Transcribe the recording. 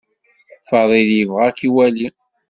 Faḍil yebɣa ad k-iwali.